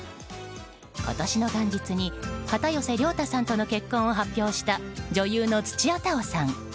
今年の元日に片寄涼太さんとの結婚を発表した女優の土屋太鳳さん。